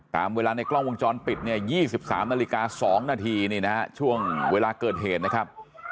ตามเวลาในกล้องวงจรปิดเนี่ย๒๓นาฬิกา๒นาทีนี่นะฮะช่วงเวลาเกิดเหตุนะครับ